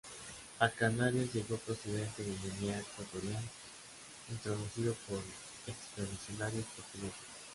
A Canarias llegó procedente de Guinea Ecuatorial introducido por expedicionarios portugueses.